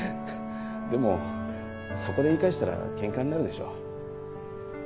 でもそこで言い返したらケンカになるでしょ。